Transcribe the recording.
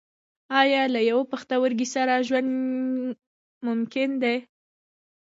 ایا له یوه پښتورګي سره ژوند ممکن دی